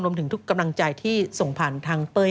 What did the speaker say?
ถึงทุกกำลังใจที่ส่งผ่านทางเป้ย